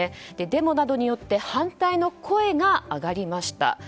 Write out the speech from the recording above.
デモなどによって反対の声が上がりました。